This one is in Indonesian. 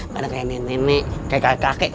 kadang kayak nenek nenek kayak kakak